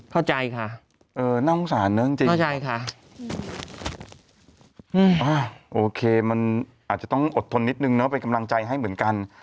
เข้าใจค่ะเออน่าสงสารเนอะจริงเข้าใจค่ะโอเคมันอาจจะต้องอดทนนิดนึงเนอะเป็นกำลังใจให้เหมือนกัน